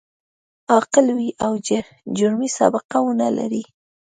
عاقل وي او جرمي سابقه و نه لري.